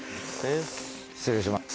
失礼します。